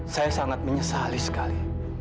saya sangat menyesali sekali